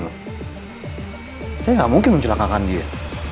tapi nggak mungkin mencelakakan dia